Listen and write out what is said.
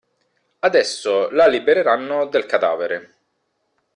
Adesso, la libereranno del cadavere.